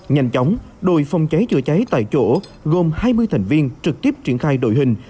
nhanh chóng đội phòng cháy chữa cháy tại chỗ gồm hai mươi thành viên trực tiếp triển khai đội hình